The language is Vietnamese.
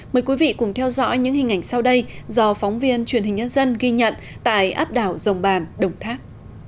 mời quý vị cùng theo dõi những hình ảnh sau đây do phóng viên truyền hình nhân dân ghi nhận tại áp đảo dòng bàn đồng tháp